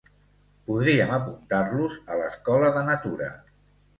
Podríem apuntar-los a l'Escola de natura.